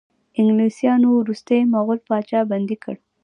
انګلیسانو وروستی مغول پاچا بندي کړ.